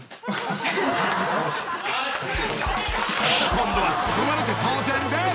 ［今度はツッコまれて当然です］